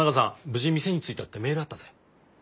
無事店に着いたってメールあったぜ。